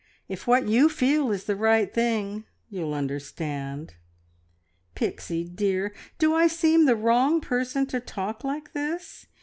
... If what you feel is the right thing, you'll understand. Pixie, dear, do I seem the wrong person to talk like this?